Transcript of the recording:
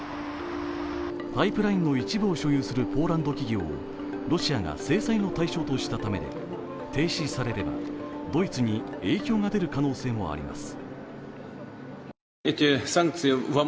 パイプラインの一部を所有するポーランド企業をロシアが制裁の対象としたため、停止ささればドイツに影響が出る可能性もあります。